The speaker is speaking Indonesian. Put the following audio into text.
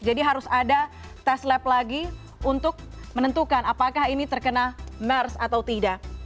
jadi harus ada tes lab lagi untuk menentukan apakah ini terkena mers atau tidak